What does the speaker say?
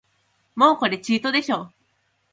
もうこれチートでしょ